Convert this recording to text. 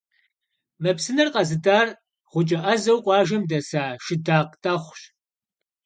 Мы псынэр къэзытӏар гъукӏэ ӏэзэу къуажэм дэса Шыдакъ Тӏэхъущ.